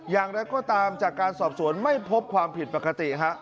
อย่างไรก็ตามจากการสอบสวนไม่พบความผิดปกติฮะ